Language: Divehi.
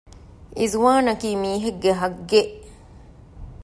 އިޒުވާނަކީ މީހެއްގެ ހައްޤެއް